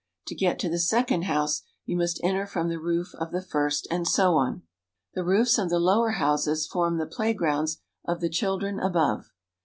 To get to the second house, you must enter from the roof of the first, and so on. The roofs of the lower houses form the playgrounds of the children above.